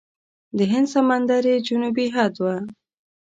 د هند سمندر یې جنوبي حد و.